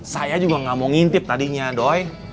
saya juga gak mau ngintip tadinya doi